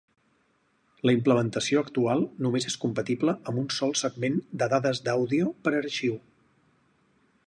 La implementació actual només és compatible amb un sol segment de dades d'àudio per arxiu.